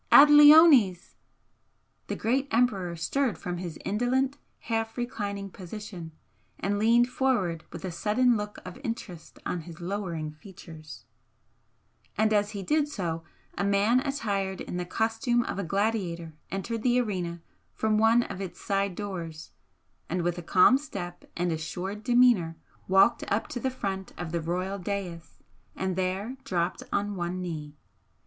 Ad leones!" The great Emperor stirred from his indolent, half reclining position and leaned forward with a sudden look of interest on his lowering features, and as he did so a man attired in the costume of a gladiator entered the arena from one of its side doors and with a calm step and assured demeanour walked up to the front of the royal dais and there dropped on one knee.